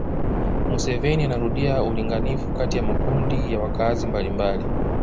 Museveni anarudia ulinganifu kati ya makundi ya wakaazi mbalimbali